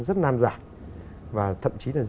rất nan giảm và thậm chí